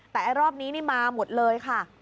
แต่รอบนี้นี่มาหมดเลยค่ะ